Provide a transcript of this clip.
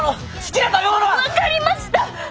分かりました！